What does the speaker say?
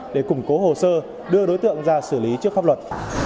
để củng cố hồ sơ đưa đối tượng ra xử lý trước pháp luật